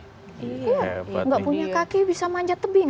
iya nggak punya kaki bisa manjat tebing